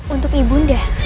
untuk ibu deh